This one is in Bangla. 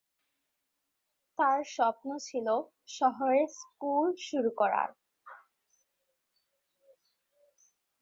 তাঁর স্বপ্ন ছিল শহরে স্কুল শুরু করার।